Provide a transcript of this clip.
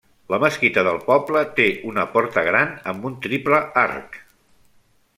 La mesquita del poble té una porta gran amb un triple arc.